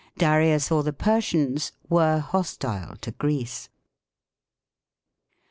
" Darius or the Persians were hostile to Greece."